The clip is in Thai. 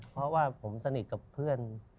เพราะว่าผมสนิทกับเพื่อน